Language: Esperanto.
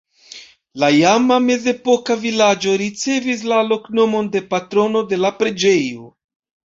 La iama mezepoka vilaĝo ricevis la loknomon de patrono de la preĝejo.